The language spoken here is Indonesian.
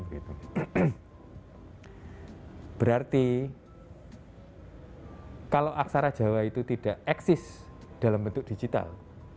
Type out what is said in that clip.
dan berarti kalau aksara jawa itu tidak eksis dalam bentuk digital